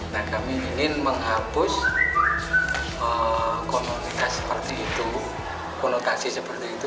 nah kami ingin menghapus kononitas seperti itu konotasi seperti itu